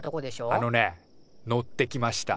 あのね乗ってきました。